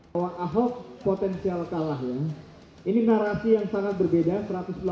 bahwa ahok potensial kalah ya ini narasi yang sangat berbeda